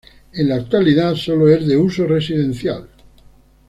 En la actualidad solo es de uso residencial.